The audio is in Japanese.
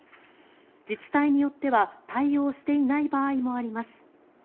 自治体によっては対応していない場合もあります。